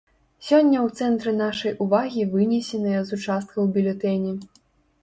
Сёння ў цэнтры нашай увагі вынесеныя з участкаў бюлетэні.